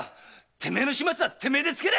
てめえの始末はてめえでつける！